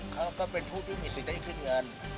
เขาก็เป็นผู้ที่มีสิทธิ์ได้ขึ้นเงิน